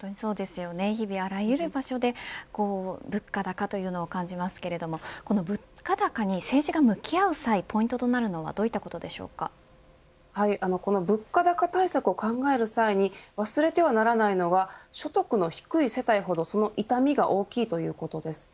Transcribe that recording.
日々あらゆる場所で物価高というのを感じますけれどもこの物価高に政治が向き合う際ポイントとなるのは物価高対策を考える際に忘れてはならないのが所得の低い世帯ほどその痛みが大きいということです。